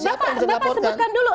bapak sebutkan dulu